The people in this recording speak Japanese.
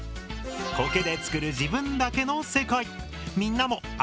コケで作る自分だけの世界。